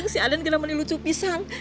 si aden kenapa lelucu pisan